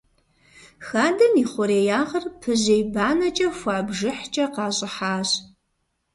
Хадэм и хъуреягъыр пыжьей банэкӏэ хуа бжыхькӏэ къащӏыхьащ.